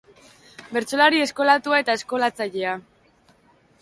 Bertsolari eskolatua eta eskolatzailea.